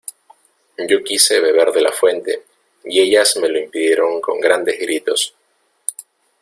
yo quise beber de la fuente, y ellas me lo impidieron con grandes gritos: